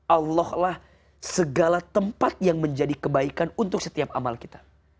allah lah segala tempat yang menjadi kebaikan untuk setiap amal kita